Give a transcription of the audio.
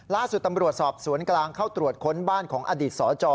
ล่าสุดตำรวจสอบสวนกลางเข้าตรวจค้นบ้านของอดีตสจ